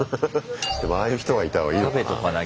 でもああいう人がいた方がいいのかな。